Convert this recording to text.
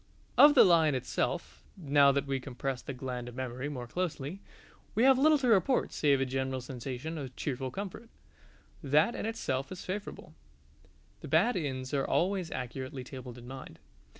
Of the Lion itself, now that we compress the gland of memory more closely, we have little to report save a general sensation of cheerful comfort. That in itself is favourable: the bad inns are always accurately tabled in mind.